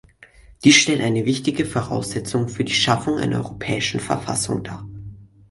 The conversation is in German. Dies stellt eine wichtige Voraussetzung für die Schaffung einer europäischen Verfassung dar.